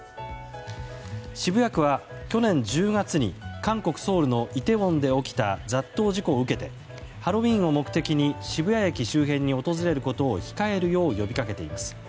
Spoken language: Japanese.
渋谷区は去年１０月に韓国ソウルのイテウォンで起きた雑踏事故を受けてハロウィーンを目的に渋谷駅周辺に訪れることを控えるよう呼びかけています。